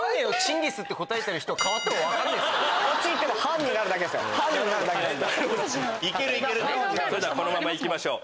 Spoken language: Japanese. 分かりましたそれではこのままいきましょう。